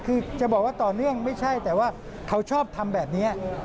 คือจะบอกว่าต่อเนื่องไม่ใช่แต่ว่าเขาชอบทำแบบนี้